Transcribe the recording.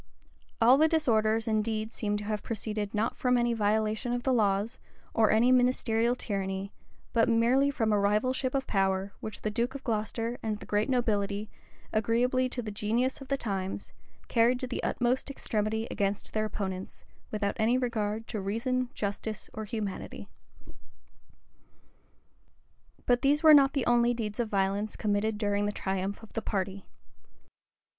All the disorders indeed seem to have proceeded not from any violation of the laws, or any ministerial tyranny, but merely from a rivalship of power, which the duke of Glocester and the great nobility, agreeably to the genius of the times, carried to the utmost extremity against their opponents, without any regard to reason, justice, or humanity. But these were not the only deeds of violence committed during the triumph of the party.